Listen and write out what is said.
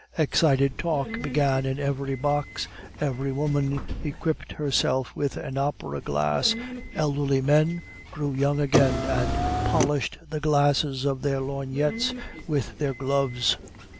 Excited talk began in every box, every woman equipped herself with an opera glass, elderly men grew young again, and polished the glasses of their lorgnettes with their gloves.